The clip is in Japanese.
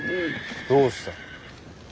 どうした。